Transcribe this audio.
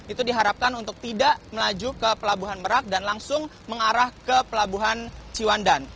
itu diharapkan untuk tidak melaju ke pelabuhan merak dan langsung mengarah ke pelabuhan ciwandan